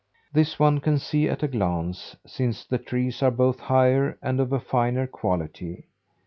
This one can see at a glance, since the trees are both higher and of finer quality.